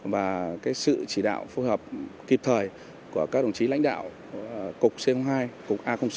và sự chỉ đạo phù hợp kịp thời của các đồng chí lãnh đạo cục c hai cục a sáu